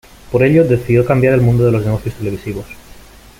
Por ello, decidió cambiar al mundo de los negocios televisivos.